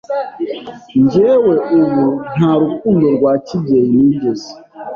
Njyewe ubu nta rukundo rwa kibyeyi nigeze